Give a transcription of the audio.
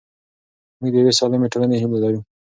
موږ د یوې سالمې ټولنې هیله لرو.